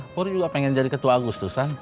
polri juga pengen jadi ketua agustusan